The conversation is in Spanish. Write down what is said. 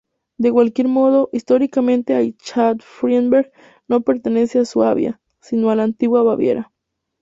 De cualquier modo, históricamente Aichach-Friedberg no pertenece a Suabia, sino a la Antigua Baviera.